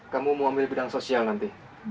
kamu mau ambil bidang sosial nanti